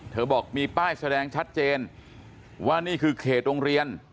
บอกมีป้ายแสดงชัดเจนว่านี่คือเขตโรงเรียน